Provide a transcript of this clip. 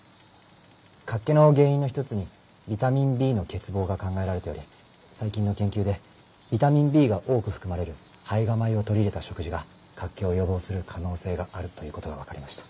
脚気の原因の一つにビタミンＢの欠乏が考えられており最近の研究でビタミンＢが多く含まれる胚芽米を取り入れた食事が脚気を予防する可能性があるという事がわかりました。